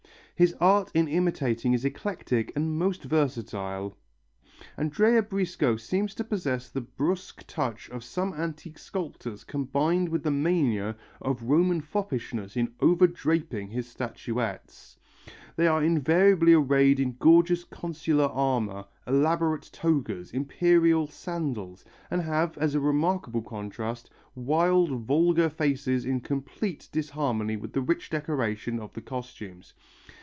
His art in imitating is eclectic and most versatile. [Illustration: IMITATIONS OF THE ANTIQUE. By Moderno, XVIth Century.] Andrea Briesco seems to possess the brusque touch of some antique sculptors combined with the mania of Roman foppishness in over draping his statuettes. They are invariably arrayed in gorgeous consular armour, elaborate togas, imperial sandals, and have, as a remarkable contrast, wild, vulgar faces in complete disharmony with the rich decoration of the costumes.